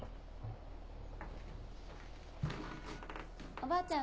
・おばあちゃん